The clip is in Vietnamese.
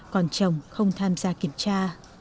còn chồng không tham gia kiểm tra